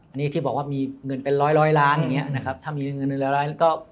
อันนี้ที่บอกว่ามีเงินเป็นร้อยล้านถ้ามีเงินร้อยล้าน